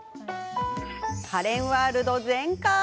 カレンワールド全開。